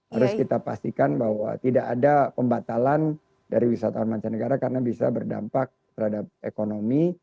harus kita pastikan bahwa tidak ada pembatalan dari wisatawan mancanegara karena bisa berdampak terhadap ekonomi